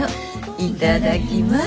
いただきます。